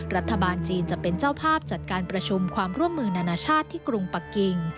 รัฐบาลจีนจะเป็นเจ้าภาพจัดการประชุมความร่วมมือนานาชาติที่กรุงปะกิง